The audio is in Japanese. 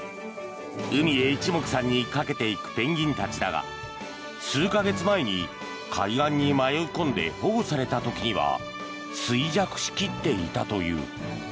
海へ一目散に駆けていくペンギンたちだが数か月前に海岸に迷い込んで保護された時には衰弱しきっていたという。